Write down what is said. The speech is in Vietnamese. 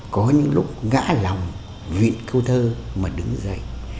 có những lúc ngã lòng vị câu thơ mà đứng dậy